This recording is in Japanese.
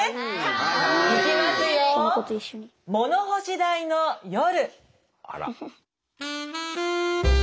「物干し台の夜」。